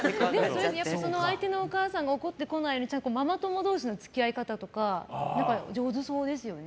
相手のお母さんが怒ってこないようにママ友同士の付き合い方とか上手そうですよね。